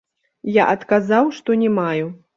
Я адказаў, што не маю.